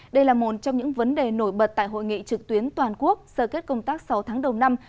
đây là một trong những vấn đề nổi bật tại hội nghị trực tuyến toàn quốc sơ kết công tác sáu tháng đầu năm